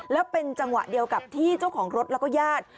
แล้วเป็นจังหวะเดียวกับที่เจ้าของรถแล้วก็ญาติ